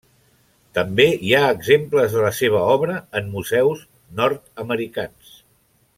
També hi ha exemples de la seva obra en museus nord-americans.